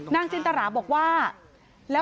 จินตราบอกว่า